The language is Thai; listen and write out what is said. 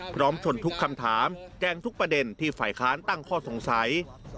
ชนทุกคำถามแจ้งทุกประเด็นที่ฝ่ายค้านตั้งข้อสงสัย